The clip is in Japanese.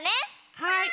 はい。